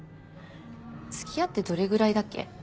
付き合ってどれぐらいだっけ？